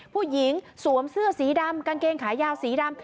สวมเสื้อสีดำกางเกงขายาวสีดำ